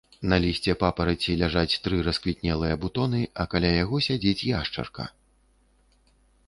На лісце папараці ляжаць тры расквітнелыя бутоны, а каля яго сядзіць яшчарка.